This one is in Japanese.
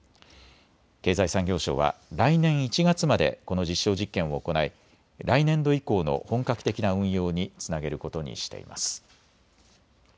経済産業省は来年１月までこの実証実験を行い来年度以降の本格的な運用につなげることにしています。